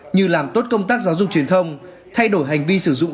như làm tốt công tác giáo dục truyền thông thay đổi hành vi sử dụng